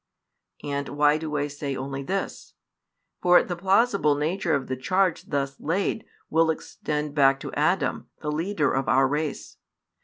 And why do I say only this? For the plausible nature of the charge thus laid will extend back to Adam, the leader of our race.